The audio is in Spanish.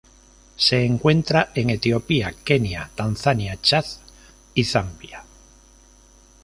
Se encuentra en Etiopía, Kenia, Tanzania, Chad y Zambia.